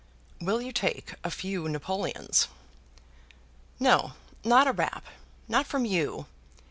"Will you take a few napoleons?" "No; not a rap. Not from you.